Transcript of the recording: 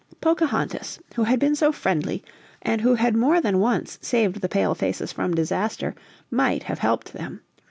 Pocahontas, who had been so friendly and who had more than once saved the Pale faces from disaster, might have helped them.